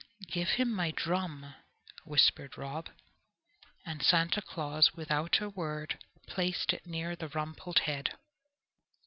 "Give him my drum," whispered Rob, and Santa Claus, without a word, placed it near the rumpled head.